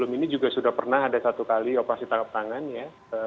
ini juga sudah pernah ada satu kali operasi tangkap tangan ya